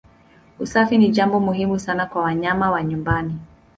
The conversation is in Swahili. Usafi ni jambo muhimu sana kwa wanyama wa nyumbani.